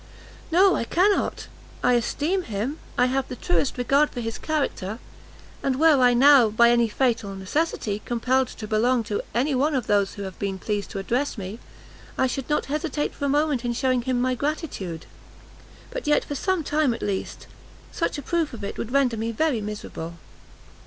"No! I cannot! I esteem him, I have the truest regard for his character, and were I now by any fatal necessity, compelled to belong to any one of those who have been pleased to address me, I should not hesitate a moment in shewing him my gratitude; but yet, for some time at least, such a proof of it would render me very miserable."